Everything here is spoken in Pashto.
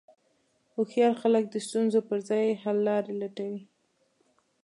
هوښیار خلک د ستونزو پر ځای حللارې لټوي.